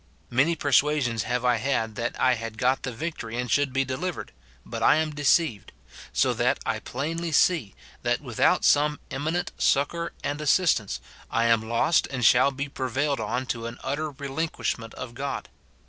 Many persuasions have I had that I had got the victory and should be delivered, but I am deceived ; so that I plainly see, that without some emi nent succour and assistance, I am lost, and shall be pre vailed on to an utter relinquishment of God.